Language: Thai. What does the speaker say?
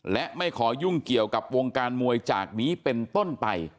และไม่ขอยุ่งเกี่ยวกับวงการมวยจากนี้เป็นต้นไป